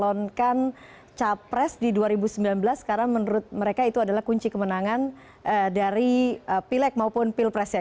mencalonkan capres di dua ribu sembilan belas karena menurut mereka itu adalah kunci kemenangan dari pileg maupun pilpres ya